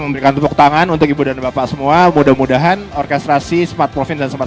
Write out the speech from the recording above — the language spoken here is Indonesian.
memberikan tepuk tangan untuk ibu dan bapak semua mudah mudahan orkestrasi sempat profit dan sempat